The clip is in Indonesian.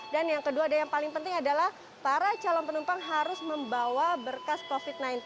dan yang kedua dan yang paling penting adalah para calon penumpang harus membawa berkas covid sembilan belas